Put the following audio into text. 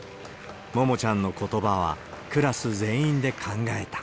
ももちゃんのことばはクラス全員で考えた。